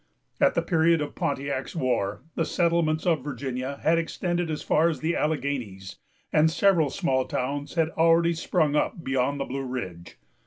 At the period of Pontiac's war, the settlements of Virginia had extended as far as the Alleghanies, and several small towns had already sprung up beyond the Blue Ridge.